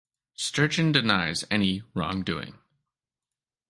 Sturgeon denies any wrongdoing.